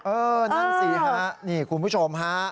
เออนั่นสิครับนี่คุณผู้ชม